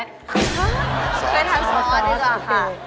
เคยทำซอสดีกว่าค่ะ